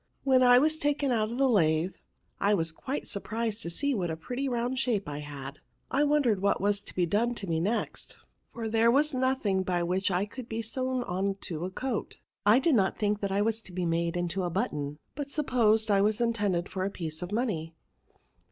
" When I was taken out of the lathe, I was quite surprised to see what a pretty round shape I had ; I wondered what was to be done to me next; for as there was nothing by which I could be sewn on to a coat, I did not think that I was to be made into a button, but supposed I was intended for a piece of money."